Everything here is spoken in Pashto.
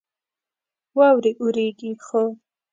واورې اوريږي ،خو